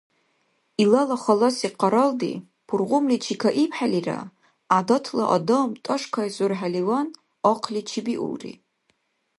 Илала халаси къаралди, пургъумличи кайибхӀелира, гӀядатла адам тӀашкайзурхӀеливан, ахъли чебиулри.